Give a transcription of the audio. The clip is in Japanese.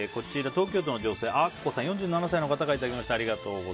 東京都の４７歳の方からいただきました。